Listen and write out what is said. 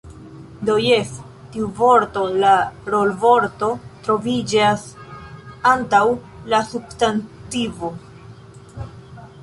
Do jes. Tiu vorto, la rolvorto troviĝas antaŭ la substantivo